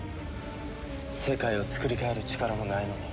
世界をつくり変える力もないのに。